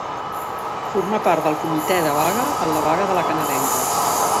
Formà part del comitè de vaga en la vaga de La Canadenca.